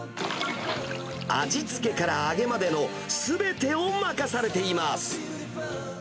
味付けから揚げまでのすべてを任されています。